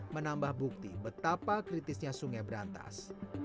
menambah bukti betapa kritisnya sungai berantas